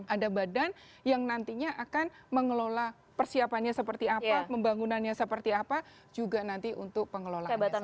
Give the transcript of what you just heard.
ada badan yang nantinya akan mengelola persiapannya seperti apa pembangunannya seperti apa juga nanti untuk pengelolaan